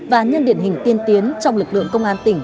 và nhân điển hình tiên tiến trong lực lượng công an tỉnh